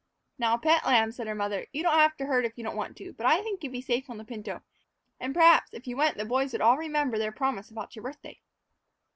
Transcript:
"Now, pet lamb," said her mother, "you don't have to herd if you don't want to. But I think you'd be safe on the pinto, and, perhaps, if you went the boys would all remember their promise about your birthday."